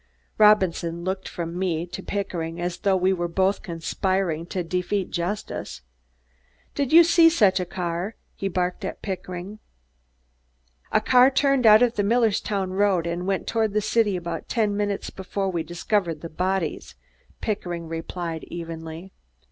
Robinson looked from me to Pickering as though we were both conspiring to defeat justice. "Did you see such a car?" he barked at Pickering. "A car turned out of the Millerstown Road and went toward the city about ten minutes before we discovered the bodies," Pickering replied evenly.